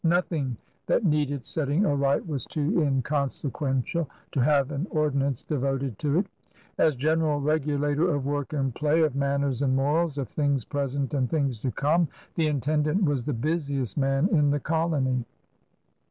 Nothing that needed setting aright was too inconsequential to have an ordinance devoted to it. As general r^^ator of work and play, of manners and morals, of things present and things to come, the intendant was the busiest man in the colony.